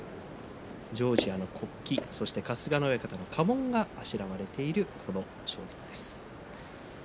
ジョージアの国旗そして春日野親方の家紋が配置されている装束です。